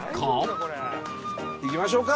行きましょうか！